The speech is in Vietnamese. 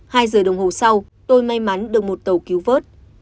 hai giờ đồng hồ sau tôi may mắn được một tàu cứu vớt